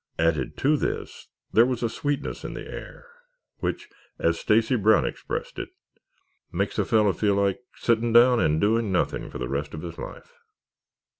Added to this, there was a sweetness in the air, which, as Stacy Brown expressed it, "makes a fellow feel like sitting down and doing nothing for the rest of his life."